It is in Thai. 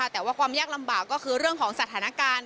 แต่ว่าความยากลำบากก็คือเรื่องของสถานการณ์